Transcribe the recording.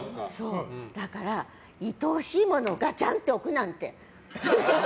だから、愛おしいものをガチャンと置くなんて。